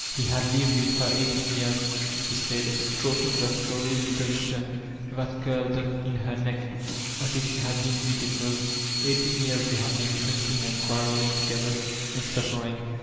He had lived with her eighteen years, slie said, stroking the furry little kitten that curled up in her neck as if she had been beautifuL Eighteen years they had been drinking and qnarreSng together— and suffering.